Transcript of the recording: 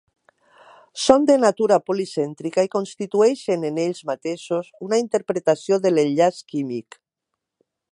Són de natura policèntrica i constitueixen en ells mateixos una interpretació de l'enllaç químic.